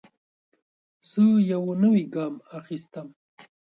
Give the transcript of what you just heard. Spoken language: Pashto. زه یو نوی ګام اخیستم.